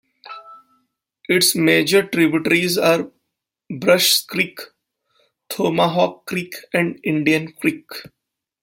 Its major tributaries are Brush Creek, Tomahawk Creek, and Indian Creek.